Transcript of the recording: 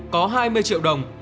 có hai mươi triệu đồng